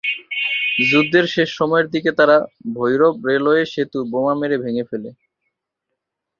যুদ্ধের শেষ সময়ের দিকে তারা ভৈরব রেলওয়ে সেতু বোমা মেরে ভেঙ্গে ফেলে।